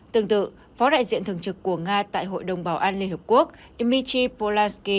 tương tự phó đại diện thường trực của nga tại hội đồng bảo an liên hợp quốc dmitry polaski